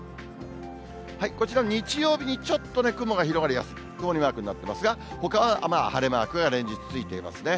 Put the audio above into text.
こちら、日曜日にちょっと雲が広がりやすい、曇りマークになってますが、ほかは晴れマークが連日ついていますね。